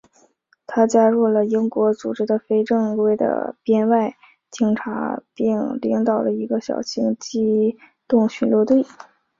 他加入了英国组织的非正规的编外警察并领导了一个小型机动巡逻队。